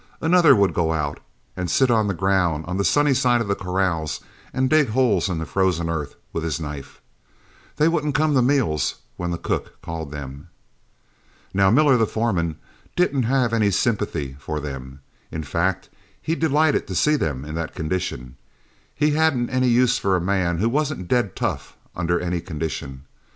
Another would go out and sit on the ground, on the sunny side of the corrals, and dig holes in the frozen earth with his knife. They wouldn't come to meals when the cook called them. "Now, Miller, the foreman, didn't have any sympathy for them; in fact he delighted to see them in that condition. He hadn't any use for a man who wasn't dead tough under any condition.